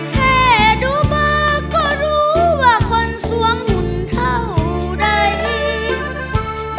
แค่ดูเบาะก็รู้ว่าคนสวมหุ่นเท่าไหร่